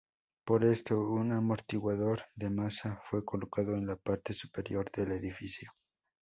Por esto, un amortiguador de masa fue colocado en la parte superior del edificio.